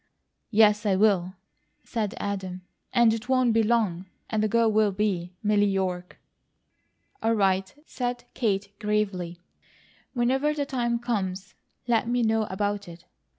"Yes, I will," said Adam. "And it won't be long, and the girl will be Milly York." "All right," said Kate, gravely, "whenever the time comes, let me know about it.